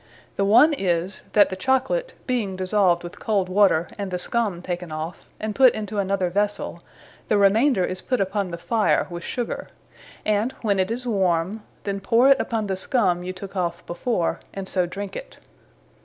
The one is, that the Chocolate, being dissolved with cold water, & the scumme taken off, and put into another Vessell, the remainder is put upon the fire, with Sugar; and when it is warme, then powre it upon the Scumme you tooke off before, and so drinke it.